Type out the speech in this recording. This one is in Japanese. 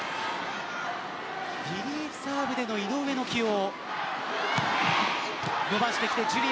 リリーフサーブでの井上の起用。